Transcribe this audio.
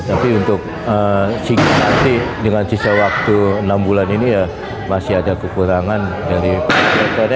tapi untuk nanti dengan sisa waktu enam bulan ini ya masih ada kekurangan dari mereka